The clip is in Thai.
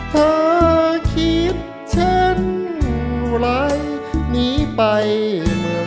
เธอคิดเช่นไรหนีไปเมืองกลุ่ม